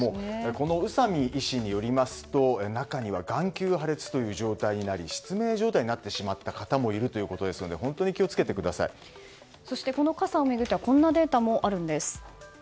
この宇佐美医師によりますと中には眼球破裂という状態になり失明状態になってしまった方もいるということですのでそして、傘を巡ってはこんなデータもあるんです。